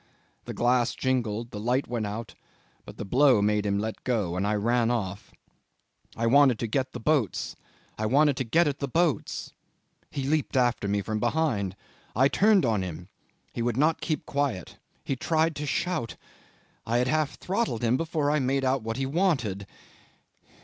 The glass jingled, the light went out, but the blow made him let go, and I ran off I wanted to get at the boats; I wanted to get at the boats. He leaped after me from behind. I turned on him. He would not keep quiet; he tried to shout; I had half throttled him before I made out what he wanted.